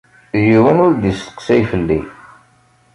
Yiwen ur d-isteqsay fell-i.